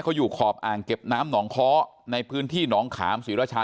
เขาอยู่ขอบอ่างเก็บน้ำหนองค้อในพื้นที่หนองขามศรีราชา